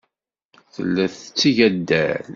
Tella tetteg addal.